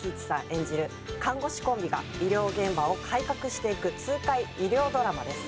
演じる看護師コンビが医療現場を改革していく痛快医療ドラマです。